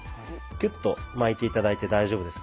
キュッと巻いて頂いて大丈夫ですので。